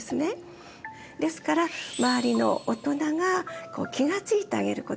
ですから周りの大人が気がついてあげることが必要ですね。